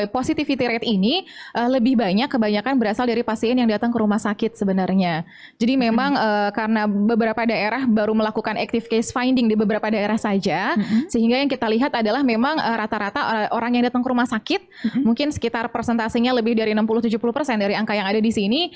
palingnya lebih dari enam puluh tujuh puluh persen dari angka yang ada di sini